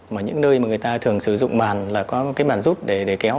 mà những nơi mà người ta thường sử dụng màn là có một cái màn rút để kéo